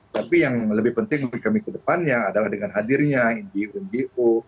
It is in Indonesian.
tapi yang lebih penting untuk kami kedepannya adalah dengan hadirnya indi undu